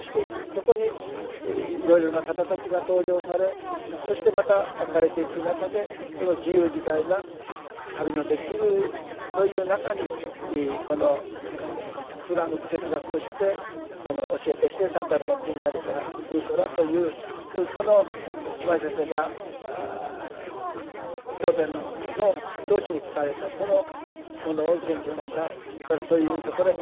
そこにいろいろな方たちが登場されそしてまた別れていく中でその自由自在な旅のできるそういう中にこの貫く哲学としてこの教えとして「サッダルマプンダリーカ・スートラ」というこの島地先生が経典の表紙に書かれたこのものを賢治さんがそういうところへちりばめられて。